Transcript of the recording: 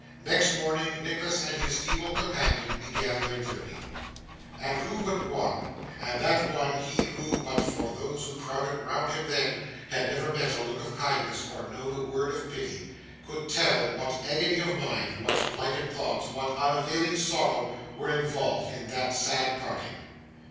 Next morning Nicholas and his feeble companion began their journey. And who but one and that one he who, but for those who crowded round him then, had never met a look of kindness, or known a word of pity could tell what agony of mind, what blighted thoughts, what unavailing sorrow, were involved in that sad parting?